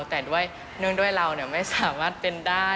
แต่ด้วยเนื่องด้วยเราไม่สามารถเป็นได้